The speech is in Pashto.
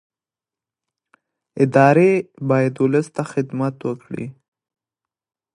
ادارې باید ولس ته خدمت وکړي